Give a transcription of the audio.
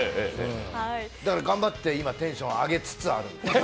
だから頑張って今テンション上げつつある。